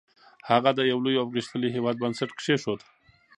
هغه د یو لوی او غښتلي هېواد بنسټ کېښود.